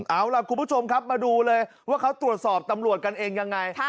เอาล่ะคุณผู้ชมครับมาดูเลยว่าเขาตรวจสอบตำรวจกันเองยังไง